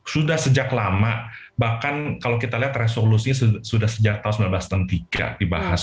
sudah sejak lama bahkan kalau kita lihat resolusinya sudah sejak tahun seribu sembilan ratus enam puluh tiga dibahas